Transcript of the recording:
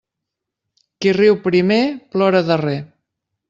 Qui riu primer plora darrer.